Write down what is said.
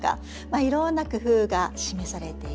いろんな工夫が示されています。